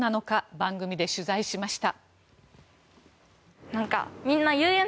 番組で取材しました。